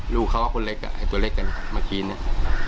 ลูกเขาว่าคนเล็กอ่ะให้ตัวเล็กกันมากินนะ